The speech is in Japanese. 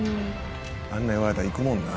「あんなん言われたら行くもんな」